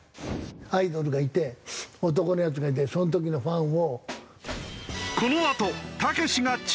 アイドルがいて男のヤツがいてその時のファンを。